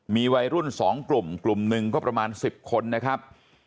มีวัยรุ่น๒กลุ่มกลุ่มหนึ่งก็ประมาณ๑๐คนนะครับ